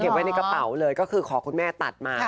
ไว้ในกระเป๋าเลยก็คือขอคุณแม่ตัดมา